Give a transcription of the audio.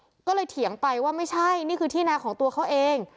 ก็เลยเถียงไปว่าไม่ใช่นี่คือที่นาของตัวเขาเอง